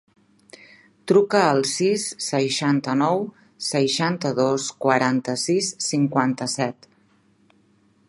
Truca al sis, seixanta-nou, seixanta-dos, quaranta-sis, cinquanta-set.